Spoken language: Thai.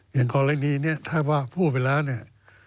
อย่างกรณีนี้ถ้าว่าพูดไปแล้วเนี่ย